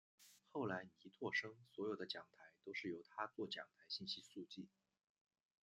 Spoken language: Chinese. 后来倪柝声所有的讲台都是由他作讲台信息速记。